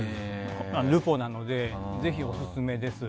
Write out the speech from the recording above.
ルポなのでぜひオススメです。